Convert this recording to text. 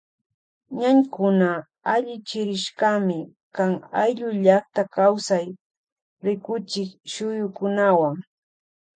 Ñañnkuna allichirishkami kan ayllu llakta kawsay rikuchik shuyukunawan.